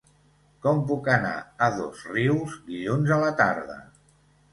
Com puc anar a Dosrius dilluns a la tarda?